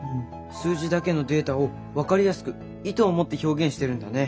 数字だけのデータを分かりやすく意図を持って表現してるんだね。